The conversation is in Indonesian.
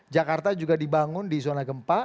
jakarta juga dibangun di zona gempa